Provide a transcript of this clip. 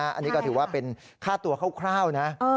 อันนี้ก็ถือว่าเป็นค่าตัวคร่าวนะ